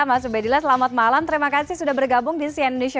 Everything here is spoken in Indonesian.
mas ubedillah selamat malam terima kasih sudah bergabung di cnn indonesia